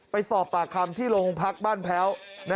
ไปสอบปากคำที่โรงพักบ้านแพ้ว